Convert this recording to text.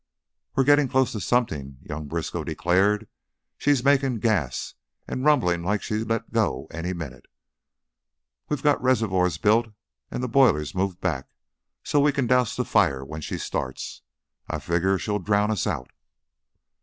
"We're gettin' close to something," young Briskow declared. "She's making gas an' rumblin' like she'd let go any minute. We got reservoys built an' the boiler's moved back, so we can douse the fire when she starts. I figger she'll drownd us out."